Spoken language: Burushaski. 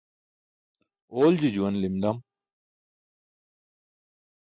Oolji juwan lim lam.